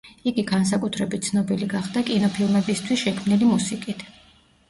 იგი განსაკუთრებით ცნობილი გახდა კინოფილმებისთვის შექმნილი მუსიკით.